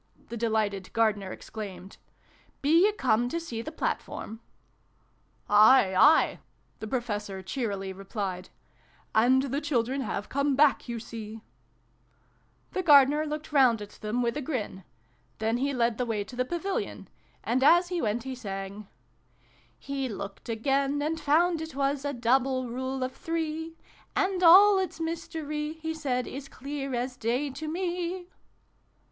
the de lighted Gardener exclaimed. " Be you come to see the platform ?" "Aye, aye!" the Professor cheerily replied " And the children have come back, you see !" The Gardener looked round at them with a grin. Then he led the way to the Pavilion ; and as he went he sang : "He looked again, and found it was A Double Rule of Three :' And all its Mystery' he said, Is clear as day to me